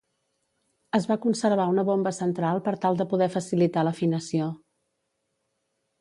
Es va conservar una bomba central per tal de poder facilitar l'afinació.